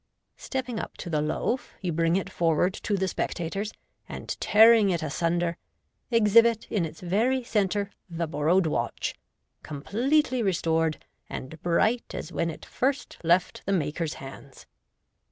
" Stepping up to the loaf, you bring it forward to the spectators, and ai6 MODERN MAGIC. tearing it asunder, exhibit in its very centre the borrowed watch^ completely restored, and bright as when it first left the maker's hands.